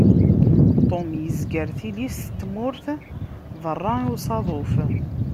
Tom yezger tilist n tmurt berra i usaḍuf.